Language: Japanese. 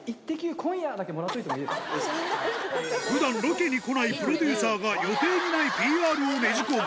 今夜だけもふだん、ロケに来ないプロデューサーが、予定にないＰＲをねじ込む。